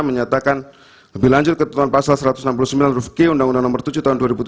menyatakan lebih lanjut ketentuan pasal satu ratus enam puluh sembilan huruf g undang undang nomor tujuh tahun dua ribu tujuh belas